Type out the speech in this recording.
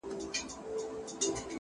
دوى به يو پر بل كوله گوزارونه!!